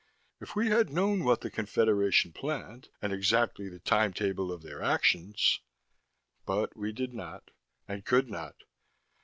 If we had known what the Confederation planned, and exactly the timetable of their actions ... but we did not, and could not.